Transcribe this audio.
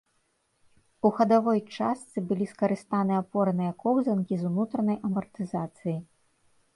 У хадавой частцы была скарыстаны апорныя коўзанкі з унутранай амартызацыяй.